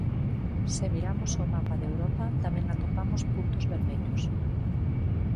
Se miramos o mapa de Europa, tamén atopamos puntos vermellos.